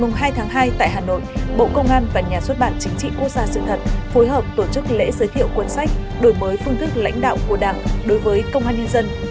ngày hai tháng hai tại hà nội bộ công an và nhà xuất bản chính trị quốc gia sự thật phối hợp tổ chức lễ giới thiệu cuốn sách đổi mới phương thức lãnh đạo của đảng đối với công an nhân dân